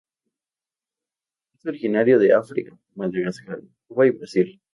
Es originario de África, Madagascar, Cuba, Brasil.